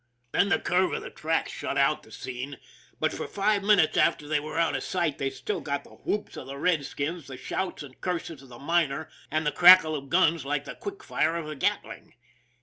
Then the curve of the track shut out the scene, but for five minutes after they were out of sight they still got the whoops of the redskins, the shouts and curses of the miners, and the crackle of guns like the quick fire of a Catling.